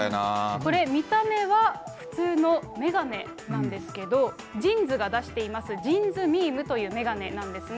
これ、見た目は普通の眼鏡なんですけど、ジンズが出していますジンズミームという眼鏡なんですね。